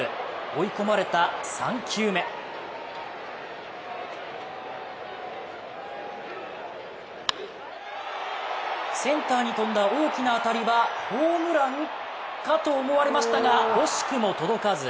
追い込まれた３球目センターに飛んだ大きな当たりはホームランかと思われましたが惜しくも届かず。